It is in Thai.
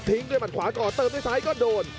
ด้วยหมัดขวาก่อนเติมด้วยซ้ายก็โดน